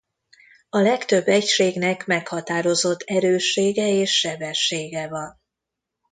A legtöbb egységnek meghatározott erőssége és sebessége van.